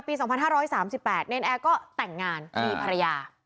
ปีสองพันห้าร้อยสามสิบแปดเนรนแอร์ก็แต่งงานดีภรรยา